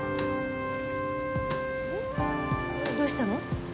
どうしたの？